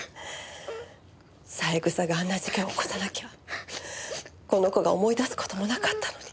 三枝があんな事件を起こさなきゃこの子が思い出す事もなかったのに。